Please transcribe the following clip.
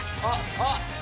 あっ！